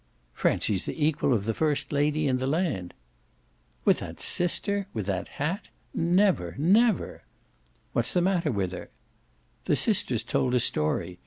"Francie's the equal of the first lady in the land." "With that sister with that hat? Never never!" "What's the matter with her hat?" "The sister's told a story.